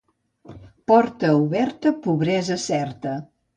Porta oberta, pobresa certa.